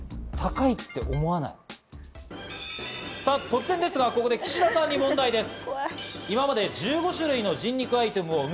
突然ですが、ここで岸田さんに問題です。